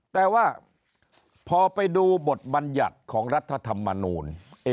แต่ว่าพอไปดูบทบัญญัติของรัฐธรรมนูล